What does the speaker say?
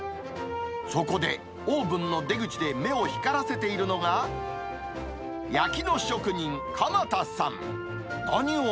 そこで、オーブンの出口で目を光らせているのが、焼きの職人、鎌田さん。